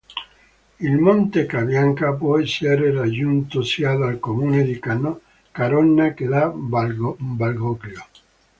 Il monte Cabianca può essere raggiunto sia dal comune di Carona che da Valgoglio.